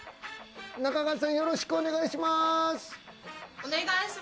中川さん、よろしくお願いします。